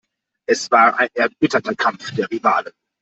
Es war ein erbitterter Kampf der Rivalen.